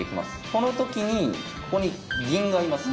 この時にここに銀がいます。